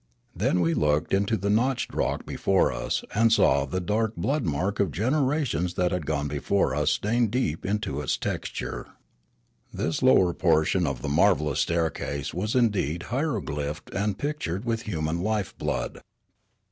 Then we looked into the notched rock before us and saw the dark bloodmark of generations that had gone before us stained deep into its texture. Kloriole 271 This lower portion of the marvellous staircase was in deed hierogl5^phed and pictured with human lifeblood.